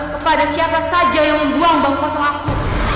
kepada siapa saja yang membuang bangku kosong aku